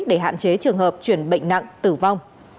để hạn chế trường hợp chuyển bệnh nặng tử vong